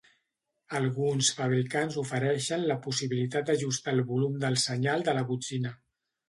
Alguns fabricants ofereixen la possibilitat d'ajustar el volum del senyal de la botzina.